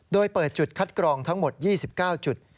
โดยเปิดจุดคัดกรองทั้งหมด๒๙จุด